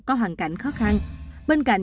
có hoàn cảnh khó khăn bên cạnh